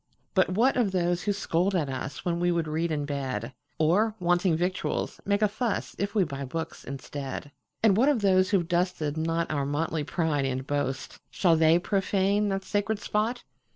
"But what of those who scold at usWhen we would read in bed? Or, wanting victuals, make a fussIf we buy books instead? And what of those who 've dusted notOur motley pride and boast,—Shall they profane that sacred spot?"